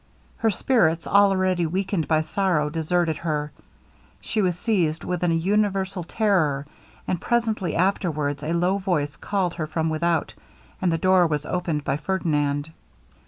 Her spirits, already weakened by sorrow, deserted her: she was seized with an universal terror, and presently afterwards a low voice called her from without, and the door was opened by Ferdinand.